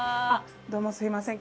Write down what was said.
どうもすいません。